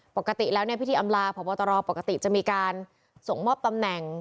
ปกติแล้วเนี่ยพิธีอำลาพบตรปกติจะมีการส่งมอบตำแหน่ง